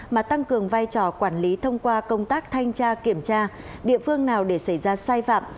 mà tăng cường vai trò quản lý thông qua công tác thanh tra kiểm tra địa phương nào để xảy ra sai phạm